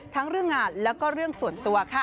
ทั้งเรื่องงานแล้วก็เรื่องส่วนตัวค่ะ